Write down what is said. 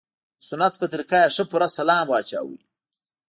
د سنت په طريقه يې ښه پوره سلام واچاوه.